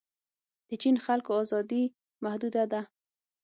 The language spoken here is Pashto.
د چین خلکو ازادي محدوده ده.